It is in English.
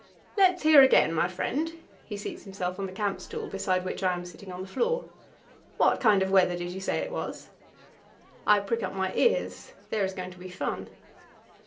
"Let's hear again, my friend" he seats himself on the camp stool beside which I am sitting on the floor "what kind of weather did you say it was?" I prick up my ears; there is going to be fun.